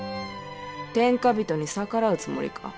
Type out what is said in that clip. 天下人に逆らうつもりか。